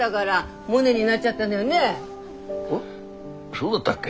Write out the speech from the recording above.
そうだったっけ？